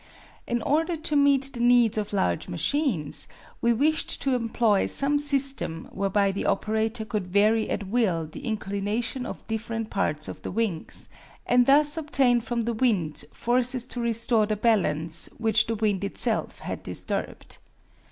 In order to meet the needs of large machines, we wished to employ some system whereby the operator could vary at will the inclination of different parts of the wings, and thus obtain from the wind forces to restore the balance which the wind itself had disturbed.